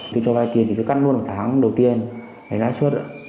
thì cho vay tiền thì cứ cắt luôn một tháng đầu tiên hãy lái suốt